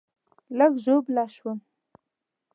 لږ ژوبل شوم